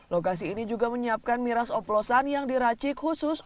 lokasi ini juga menyiapkan miras oplosan yang diracik khusus